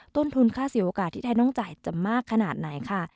ต้นทุนค่าเสียโอกาสที่ไทยต้องจ่ายจะมากขนาดไหนค่ะ